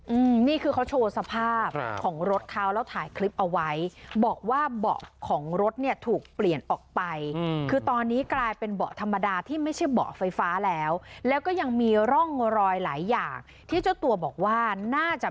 อืมนี่คือเขาโชว์สภาพของรถเขาแล้วถ่ายคลิปเอาไว้บอกว่าเบาะของรถเนี่ยถูกเปลี่ยนออกไปอืมคือตอนนี้กลายเป็นเบาะธรรมดาที่ไม่ใช่เบาะไฟฟ้าแล้วแล้วก็ยังมีร่องรอยหลายอย่างที่เจ้าตัวบอกว่าน่าจะ